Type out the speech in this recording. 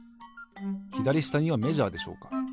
ひだりしたにはメジャーでしょうか？